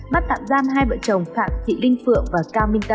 bắt tạm giam hai vợ chồng phạm thị linh phượng và cao minh tân